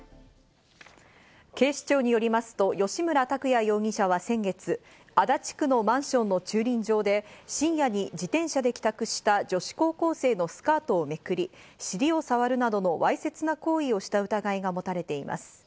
警視庁によりますと吉村拓也容疑者は先月、足立区のマンションの駐輪場で深夜に自転車で帰宅した女子高校生のスカートをめくり、尻を触るなどのわいせつな行為をした疑いが持たれています。